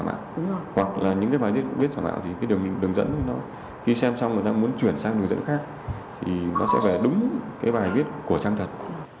nếu không có biết giả mạo thì cái đường dẫn của nó khi xem xong người ta muốn chuyển sang đường dẫn khác thì nó sẽ phải đúng cái bài viết của trang thật